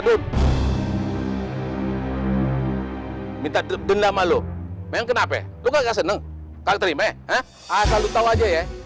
pada minta subjective namonte nampaknya kau nggak seneng tak terima allah ta monster ya